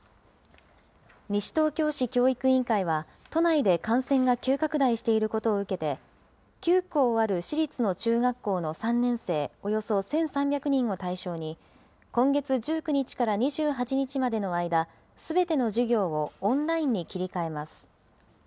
西東京市教育委員会は、都内で感染が急拡大していることを受けて、９校ある市立の中学校の３年生、およそ１３００人を対象に、今月１９日から２８日までの間、すべての授業をオンラインに切り替えます。